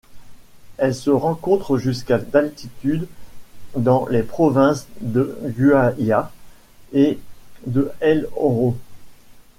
Elle se rencontre jusqu'à d'altitude dans les provinces de Guayas et de El Oro.